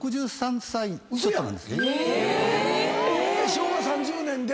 昭和３０年で？